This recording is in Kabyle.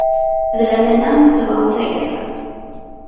D lamana i isebɣen tagerfa.